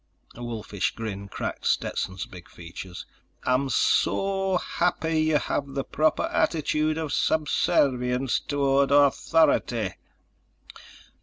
A wolfish grin cracked Stetson's big features. "I'm soooooo happy you have the proper attitude of subservience toward authority."